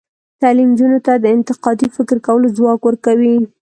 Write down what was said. تعلیم نجونو ته د انتقادي فکر کولو ځواک ورکوي.